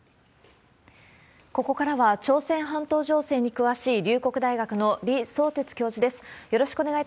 ここからは朝鮮半島情勢に詳しい、龍谷大学の李相哲教授です。